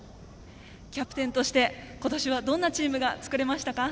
キャプテンとして今年はどんなチームが作れましたか？